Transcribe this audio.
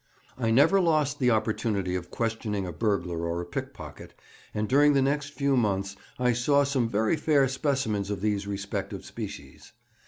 I never lost the opportunity of questioning a burglar or a pickpocket, and during the next few months I saw some very fair specimens of these respective species.